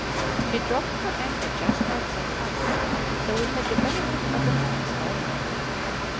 She dropped her anchor just outside us, so we had the benefit of the noise all night.